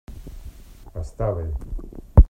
Està bé!